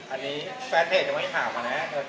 อันนี้แฟนเทปเลยพี่ถามมาเนี้ย